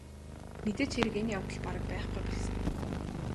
Мэдээж хэрэг энэ явдал бараг байхгүй болсон.